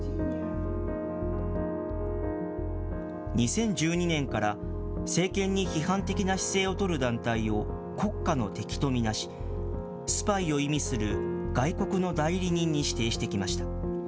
２０１２年から政権に批判的な姿勢を取る団体を、国家の敵と見なし、スパイを意味する外国の代理人に指定してきました。